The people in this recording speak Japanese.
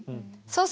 そう。